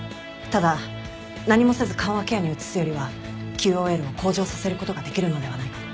ただ何もせず緩和ケアに移すよりはＱＯＬを向上させる事ができるのではないかと。